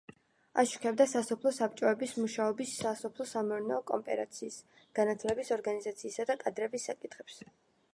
აშუქებდა სასოფლო საბჭოების მუშაობას, სასოფლო-სამეურნეო კოოპერაციის, განათლების ორგანიზაციისა და კადრების საკითხებს.